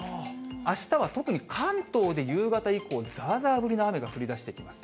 あしたは特に関東で夕方以降、ざーざー降りの雨が降りだしてきます。